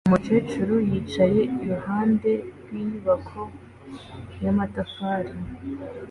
Umukecuru yicaye iruhande rw'inyubako y'amatafari